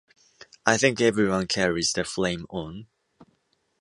I think everyone carries the flame on.